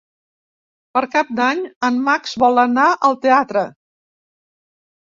Per Cap d'Any en Max vol anar al teatre.